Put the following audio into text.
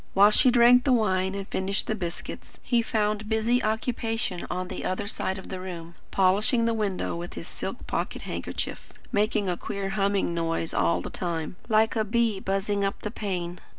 While she drank the wine and finished the biscuits, he found busy occupation on the other side of the room, polishing the window with his silk pocket handkerchief; making a queer humming noise all the time, like a bee buzzing up the pane.